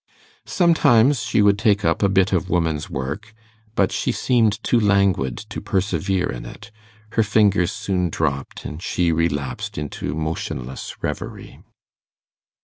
Sometimes she would take up a bit of woman's work, but she seemed too languid to persevere in it; her fingers soon dropped, and she relapsed into motionless reverie.